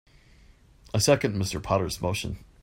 I second Mr. Potter's motion.